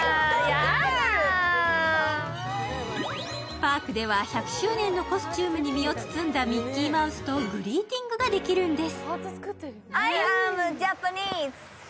パークでは１００周年のコスチュームに身を包んだミッキーとグリーティングができるんです。